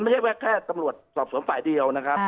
มันไม่แค่แก่จำรวจสอบสวมฝ่ายเดียวนะครับ